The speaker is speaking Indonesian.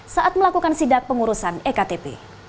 saat melakukan sidak pengurusan ektp